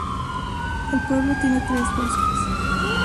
El pueblo tiene tres bosques.